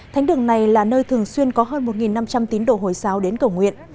thánh đường này là nơi thường xuyên có hơn một năm trăm linh tín đồ hồi giáo đến cầu nguyện